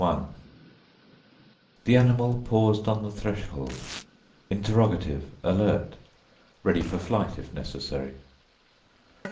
I The animal paused on the threshold, interrogative alert, ready for flight if necessary.